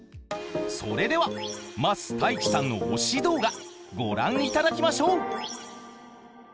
それでは桝太一さんの推し動画ご覧いただきましょう！